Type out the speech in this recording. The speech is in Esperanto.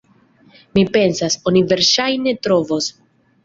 Mi pensas, oni verŝajne trovos.